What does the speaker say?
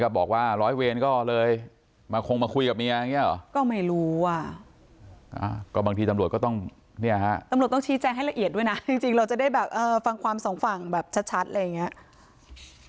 ด้วยนะจริงเราจะได้ฟังความสองฝั่งแบบชัดอะไรอย่างนี้